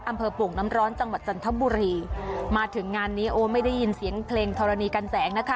โป่งน้ำร้อนจังหวัดจันทบุรีมาถึงงานนี้โอ้ไม่ได้ยินเสียงเพลงธรณีกันแสงนะคะ